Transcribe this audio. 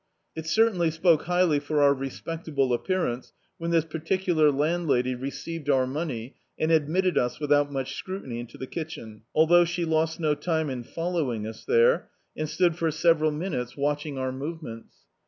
It certainly spoke highly for our respectable ap pearance when this particular landlady received our money, and admitted us without much scrutiny into the kitchen; althou^ she lost no time in following us there, and stood for several minutes watching our [H9] Dictzed by Google The Autobiography of a Super Tramp movemeats.